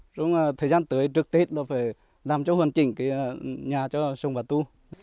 trong thời gian tới trước tết nó phải làm cho hoàn chỉnh cái nhà cho sông và tu